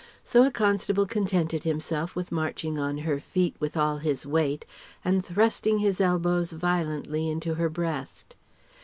So a constable contented himself with marching on her feet with all his weight and thrusting his elbows violently into her breast.